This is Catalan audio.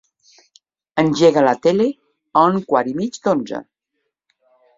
Engega la tele a un quart i mig d'onze.